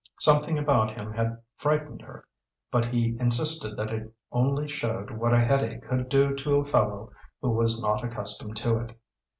Something about him had frightened her, but he insisted that it only showed what a headache could do to a fellow who was not accustomed to it.